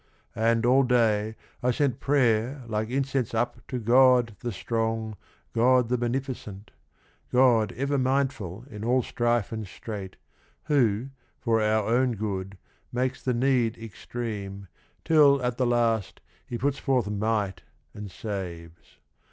And, all day, I sent prayer like incense up To God the strong, God the beneficent, God ever mindful in all strife and strait, Who, for our own good, makes the need extreme, Till at the last He puts forth might and saves.